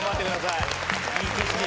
いい景色。